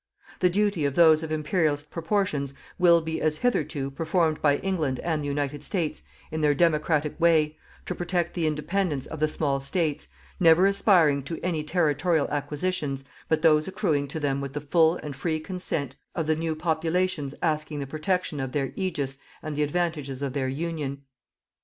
The duty of those of Imperialist proportions will be as hitherto performed by England and the United States in their democratic way, to protect the independence of the small States, never aspiring to any territorial acquisitions but those accruing to them with the full and free consent of the new populations asking the protection of their ægis and the advantages of their union.